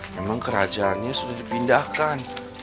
memang kerajaannya sudah dipindahkan